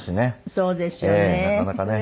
そうですよね。